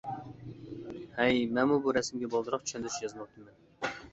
ھەي مەنمۇ بۇ رەسىمگە بالدۇرراق چۈشەندۈرۈش يازماپتىمەن.